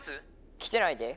来てないで。